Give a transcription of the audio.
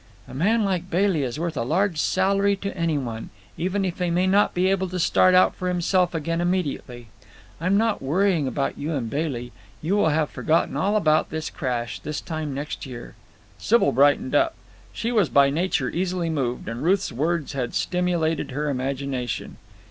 "A man like Bailey is worth a large salary to any one, even if he may not be able to start out for himself again immediately. I'm not worrying about you and Bailey. You will have forgotten all about this crash this time next year." Sybil brightened up. She was by nature easily moved, and Ruth's words had stimulated her imagination.